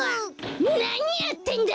なにやってんだ！？